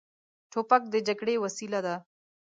توپک د جګړې وسیله ده.